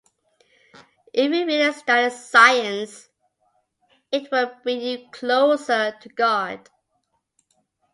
If you really study science, it will bring you closer to God.